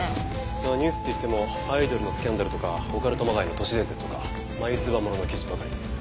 まあニュースっていってもアイドルのスキャンダルとかオカルトまがいの都市伝説とか眉唾物の記事ばかりです。